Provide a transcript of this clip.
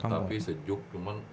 tapi sejuk cuman